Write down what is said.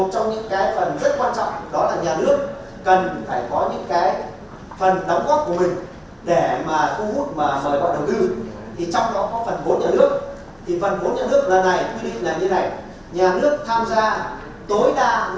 tối đa năm mươi tổng bức đầu tư trừ phần giải phóng bảo đoạn